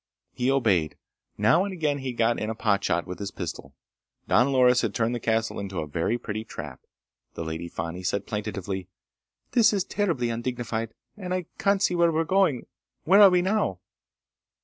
He obeyed. Now and again he got in a pot shot with his pistol. Don Loris had turned the castle into a very pretty trap. The Lady Fani said plaintively: "This is terribly undignified, and I can't see where we're going. Where are we now?"